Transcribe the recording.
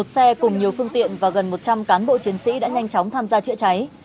một xe cùng nhiều phương tiện và gần một trăm linh cán bộ chiến sĩ đã nhanh chóng tham gia chữa cháy